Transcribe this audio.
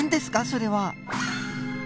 それは。